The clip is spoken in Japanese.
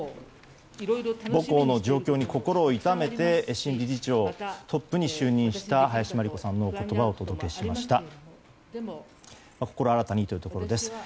母校の状況に心を痛めて新理事長、トップに就任した林真理子さんのお言葉をお届けしました。